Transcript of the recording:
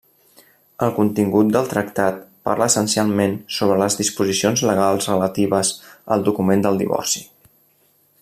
El contingut del tractat parla essencialment sobre les disposicions legals relatives al document del divorci.